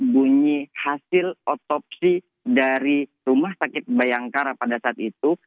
bunyi hasil otopsi dari rumah sakit bayangkara pada saat itu